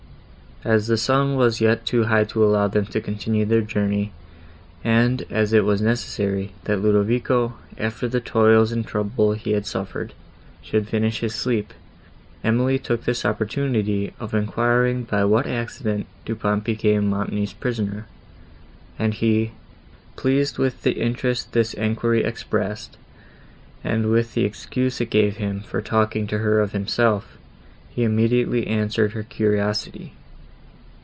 As the sun was yet too high to allow them to continue their journey, and as it was necessary, that Ludovico, after the toils and trouble he had suffered, should finish his sleep, Emily took this opportunity of enquiring by what accident Du Pont became Montoni's prisoner, and he, pleased with the interest this enquiry expressed and with the excuse it gave him for talking to her of himself, immediately answered her curiosity.